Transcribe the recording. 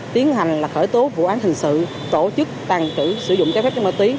tiến hành là khởi tố vụ án hình sự tổ chức tàn trữ sử dụng cái phép má túy